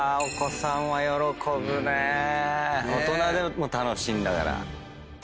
大人でも楽しいんだから。